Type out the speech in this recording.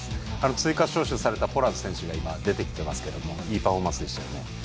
追加招集されたポラード選手が出てますがいいパフォーマンスでしたね。